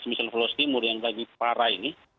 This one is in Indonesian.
misal veloz timur yang lagi parah ini